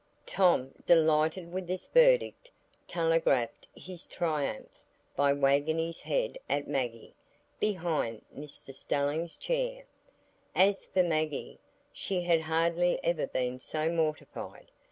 Tom, delighted with this verdict, telegraphed his triumph by wagging his head at Maggie, behind Mr Stelling's chair. As for Maggie, she had hardly ever been so mortified.